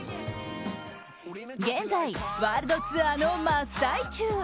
現在、ワールドツアーの真っ最中。